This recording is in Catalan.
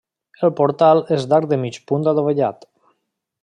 El portal és d'arc de mig punt adovellat.